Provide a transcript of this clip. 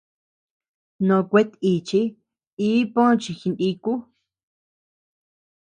Nòò kueatʼichi ii pö chi jiniku.